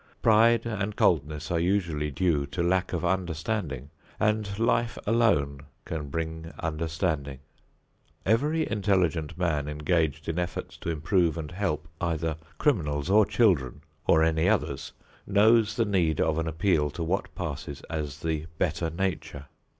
Pride and coldness are usually due to lack of understanding, and life alone can bring understanding. Every intelligent man engaged in efforts to improve and help either criminals or children or any others, knows the need of an appeal to what passes as the better nature.